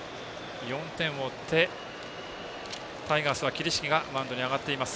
４点を追って、タイガースは桐敷がマウンドに上がっています。